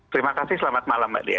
terima kasih selamat malam mbak dea